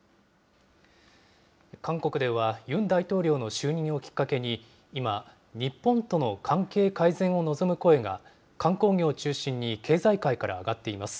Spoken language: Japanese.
韓国ではユン大統領の就任をきっかけに、今、日本との関係改善を望む声が観光業を中心に経済界から上がっています。